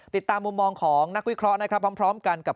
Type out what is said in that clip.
ติดตามมุมมองของนักวิเคราะห์นะครับพร้อมกันกับ